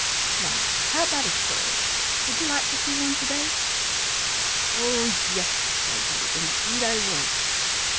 Now, how about a story? Would you like to see one to day?" "Oh, yes!" cried Teddy. "Indeed, I would."